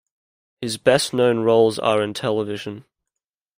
His best-known roles are in television.